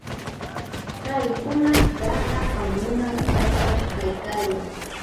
Kay hunaqqa llapan nunam chakrachaw kaykaayan.